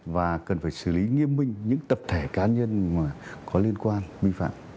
và cần phải xử lý nghiêm minh những tập thể cá nhân mà có liên quan vi phạm